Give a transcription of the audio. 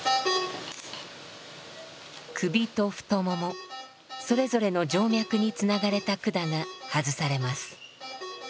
首と太ももそれぞれの静脈につながれた管が外されます。